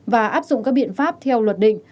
và áp dụng các biện pháp theo luật định